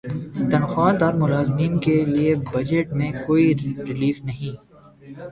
تنخواہ دار ملازمین کے لیے بجٹ میں کوئی ریلیف نہیں